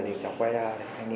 thì cháu quay ra